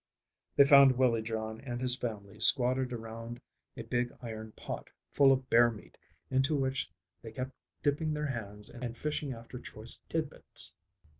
They found Willie John and his family squatted around a big iron pot full of bear meat into which they kept dipping their hands and fishing after choice tid bits.